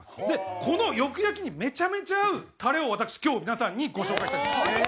でこのよく焼きにめちゃめちゃ合うタレを私今日皆さんにご紹介したいんです。